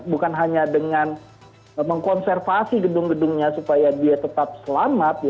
bukan hanya dengan mengkonservasi gedung gedungnya supaya dia tetap selamat